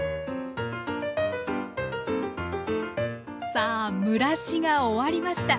さあ蒸らしが終わりました。